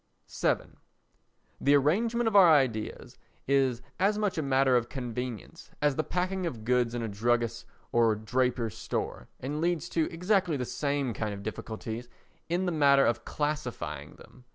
vii The arrangement of our ideas is as much a matter of convenience as the packing of goods in a druggist's or draper's store and leads to exactly the same kind of difficulties in the matter of classifying them.